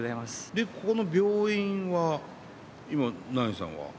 で、ここの病院は今ナインさんは？